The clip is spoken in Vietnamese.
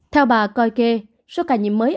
theo bà koike số ca nhiễm mới